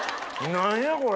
何やこれ。